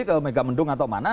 ke megamendung atau mana